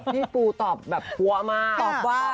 พี่ปูตอบแบบพลั้งมา